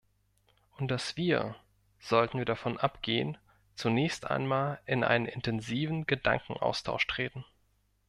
Und dass wir, sollten wir davon abgehen, zunächst einmal in einen intensiven Gedankenaustausch treten.